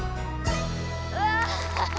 うわ！